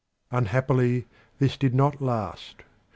Unhappily this did not last.